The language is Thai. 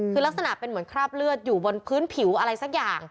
คือลักษณะเป็นเหมือนคราบเลือดอยู่บนพื้นผิวอะไรสักอย่าง